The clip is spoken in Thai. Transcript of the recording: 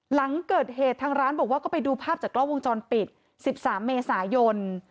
หลังเกิดเหตุทางร้านบอกว่าก็ไปดูภาพจากกล้องวงจรปิด๑๓เมษายน